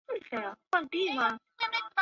转帐再提领出来